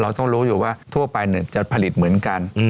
ต้องรู้อยู่ว่าทั่วไปจะผลิตเหมือนกัน